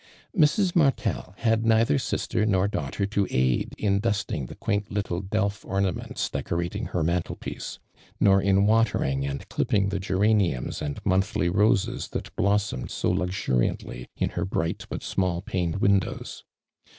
Mrs. Martel had neither sister nor da iigliter to aid in dusting the quahit little del f orna ments decorating her mantel piece : nor in watering and clipping the geraniums and: monthly roses that blossomed so luxuiiantly in her bright but small paned windows.